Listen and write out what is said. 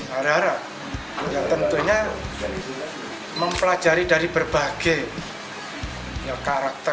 harahara tentunya mempelajari dari berbagai karakter